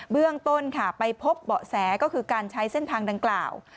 เรื่องต้นค่ะไปพบเบาะแสก็คือการใช้เส้นทางดังกล่าว